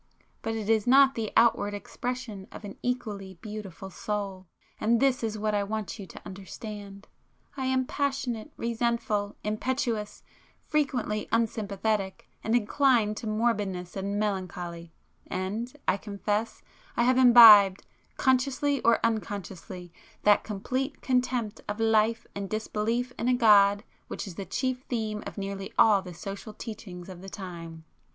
—but it is not the outward expression of an equally beautiful soul. And this is what I want you to understand. I am passionate, resentful, impetuous,—frequently unsympathetic, and inclined to morbidness and melancholy, and I confess I have imbibed, consciously or unconsciously, that complete contempt of life and disbelief in a God, which is the chief theme of nearly all the social teachings of the time."